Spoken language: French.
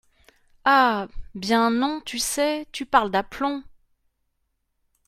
Ah ! bien, non, tu sais, tu parles d’aplomb !…